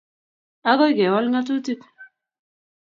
Agoi kewal ng'atutik